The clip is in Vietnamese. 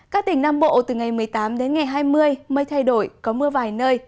các tỉnh nam bộ từ ngày một mươi tám đến ngày hai mươi mây thay đổi có mưa vài nơi